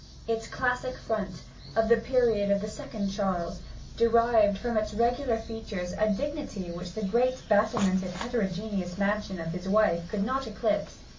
Its classic front, of the period of the second Charles, derived from its regular features a dignity which the great, battlemented, heterogeneous mansion of his wife could not eclipse.